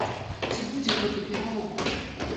Ці будзе гэты пералом?